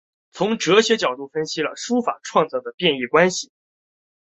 从哲学角度分析了书法创作的变易关系。